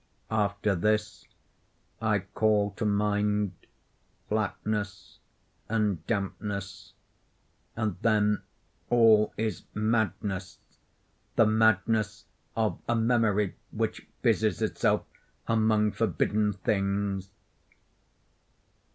After this I call to mind flatness and dampness; and then all is madness—the madness of a memory which busies itself among forbidden things.